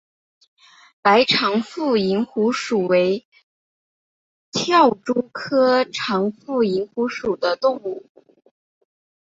白长腹蝇虎属为跳蛛科长腹蝇虎属的动物。